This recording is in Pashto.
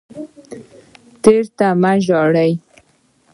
تیر ته مه ژاړئ